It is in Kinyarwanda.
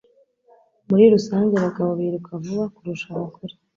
Muri rusange abagabo biruka vuba kurusha abagore